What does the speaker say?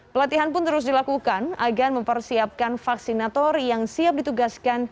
pelatihan pun terus dilakukan agar mempersiapkan vaksinator yang siap ditugaskan